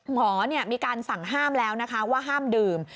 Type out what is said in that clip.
หมอมีการสั่งห้ามแล้วนะคะว่าห้ามดื่ม